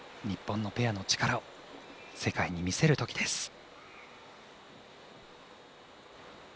日本のペアの力を世界に見せるときです。